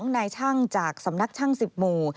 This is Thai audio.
นายช่างจากสำนักช่าง๑๐หมู่